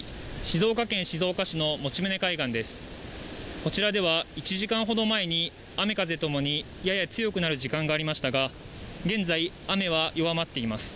こちらでは１時間ほど前に雨・風ともにやや強くなる時間がありましたが、現在、雨は弱まっています。